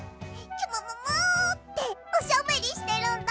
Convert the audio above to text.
きゅももも！」っておしゃべりしてるんだ。